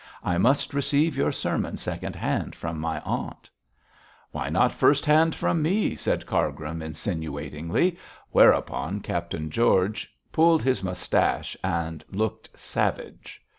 I must receive your sermon second hand from my aunt.' 'Why not first hand from me?' said Cargrim, insinuatingly, whereupon Captain George pulled his moustache and looked savage.